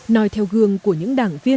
nói theo gương của những đảng viên